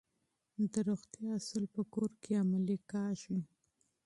د روغتیا اصول په کور کې عملي کیږي.